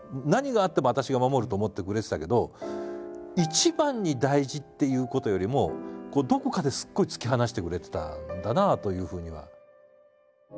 何があっても私が守ると思ってくれてたけど一番に大事っていうことよりもどこかですごい突き放してくれてたんだなというふうには。